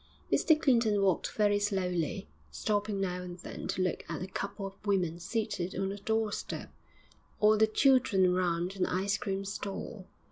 Mr Clinton walked very slowly, stopping now and then to look at a couple of women seated on a doorstep, or the children round an ice cream stall.